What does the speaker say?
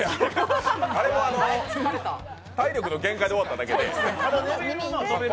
あれは、あの体力の限界で終わっただけで。